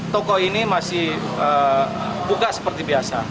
toko ini masih buka seperti biasa